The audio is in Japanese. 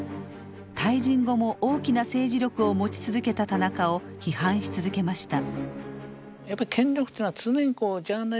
退陣後も大きな政治力を持ち続けた田中を批判し続けました。